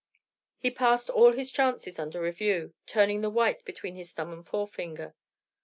He passed all his chances under review, turning the white between his thumb and forefinger.